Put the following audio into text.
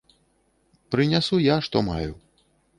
Прынясу я, што маю.